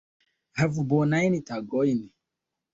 Havu bonajn tagojn!